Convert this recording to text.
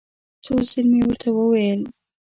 څو ځل مې ورته وویل.